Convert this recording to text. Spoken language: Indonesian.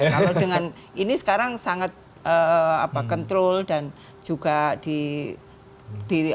kalau dengan ini sekarang sangat control dan juga di